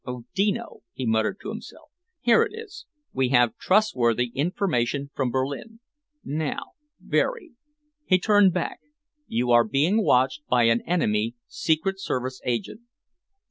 "Odino," he muttered to himself. "Here it is: 'We have trustworthy information from Berlin.' Now Berry." He turned back. "'You are being watched by an enemy secret service agent.'"